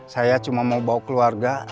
saya cuma mau bawa keluarga